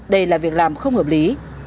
đây là việc làm không hợp lý